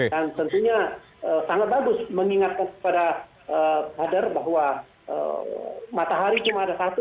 dan tentunya sangat bagus mengingatkan kepada kader bahwa matahari cuma ada satu